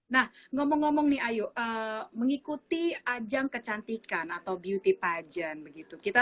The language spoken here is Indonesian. nah ngomong ngomong nih ayu mengikuti ajang kecantikan atau beauty pageant begitu kita